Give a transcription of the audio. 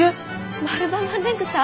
マルバマンネングサ？